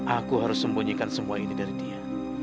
aku harus sembunyikan semua ini dari dia